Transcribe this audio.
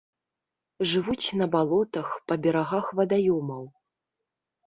Жывуць на балотах, па берагах вадаёмаў.